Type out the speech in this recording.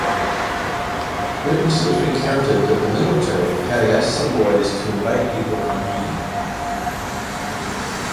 Witnesses recounted that the military had asked some boys to invite people for meeting.